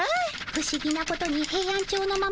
ふしぎなことにヘイアンチョウのママ上さま